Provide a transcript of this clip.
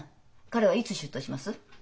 彼はいつ出頭します？